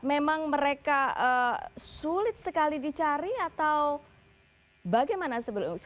memang mereka sulit sekali dicari atau bagaimana sebelumnya